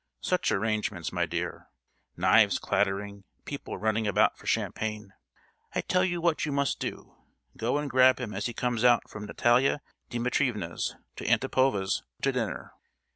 Such arrangements, my dear. Knives clattering, people running about for champagne. I tell you what you must do—go and grab him as he comes out from Natalia Dimitrievna's to Antipova's to dinner.